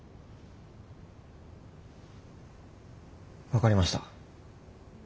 分かりました。